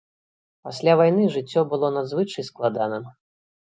Пасля вайны жыццё было надзвычай складаным.